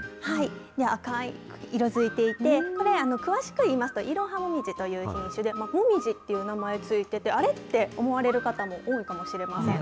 赤く色づいていて、これ、詳しく言いますと、イロハモミジという品種で、モミジっていう名前付いてて、あれ？って思われる方も多いかもしれません。